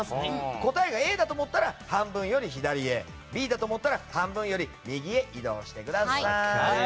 答えがＡだと思ったら半分より左へＢだと思ったら半分より右へ移動してください。